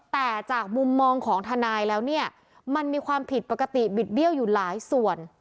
แต่จากมุมมองของทนายแล้วเนี่ยมันมีความผิดปกติบิดเบี้ยวอยู่หลายส่วน